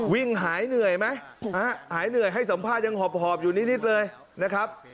วิ่งหายเหนื่อยไหมหายเหนื่อยให้สัมภาษณ์ยังหอบอยู่นิดเลยนะครับ